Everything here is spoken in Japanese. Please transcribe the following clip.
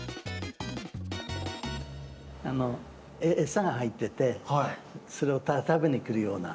餌が入っててそれを食べに来るような。